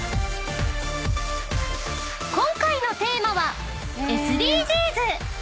［今回のテーマはＳＤＧｓ］